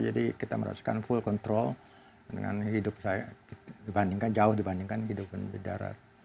jadi kita merasakan full control dengan hidup saya dibandingkan jauh dibandingkan dengan hidup di darat